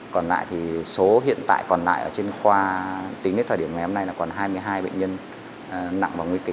còn lại thì số hiện tại còn lại ở trên khoa tính đến thời điểm ngày hôm nay là còn hai mươi hai bệnh nhân nặng và nguy kịch